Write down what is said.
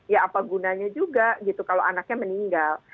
ya apa gunanya juga gitu kalau anaknya meninggal